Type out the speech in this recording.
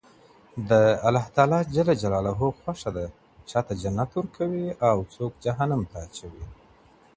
د الله تعالی خوښه ده، چاته جنت ورکوي او څوک جهنم ته اچوي